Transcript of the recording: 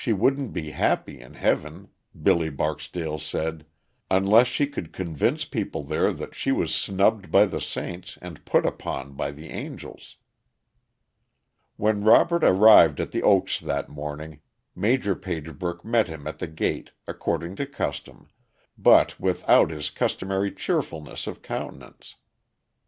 She wouldn't be happy in heaven, Billy Barksdale said, unless she could convince people there that she was snubbed by the saints and put upon by the angels. When Robert arrived at The Oaks that morning Major Pagebrook met him at the gate, according to custom, but without his customary cheerfulness of countenance.